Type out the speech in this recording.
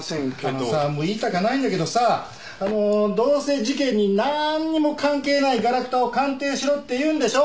あのさもう言いたかないんだけどさあのどうせ事件になんにも関係ないガラクタを鑑定しろって言うんでしょ？